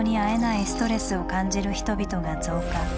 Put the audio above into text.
ストレスを感じる人々が増加。